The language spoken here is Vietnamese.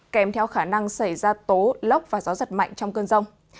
kèm theo khả năng xảy ra tố lốc và gió giật mạnh trong cơn rông